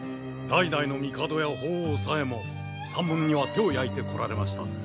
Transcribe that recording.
代々の帝や法皇さえも山門には手を焼いてこられました。